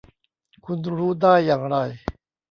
คุณรู้ได้อย่างไร ?